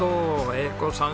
英子さん